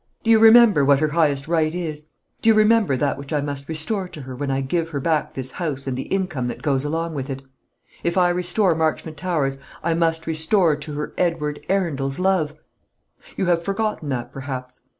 Do you remember what her highest right is? Do you remember that which I must restore to her when I give her back this house and the income that goes along with it? If I restore Marchmont Towers, I must restore to her Edward Arundel's love! You have forgotten that, perhaps.